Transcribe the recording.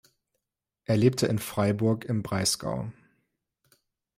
Er lebt in Freiburg im Breisgau.